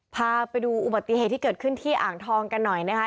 พาไปดูอุบัติเหตุที่เกิดขึ้นที่อ่างทองกันหน่อยนะคะ